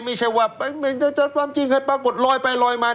ไม่ใช่ว่าจะเจอความจริงให้ปรากฏลอยไปลอยมา